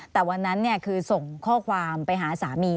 แต่วันนั้นคือส่งข้อความไปหาสามี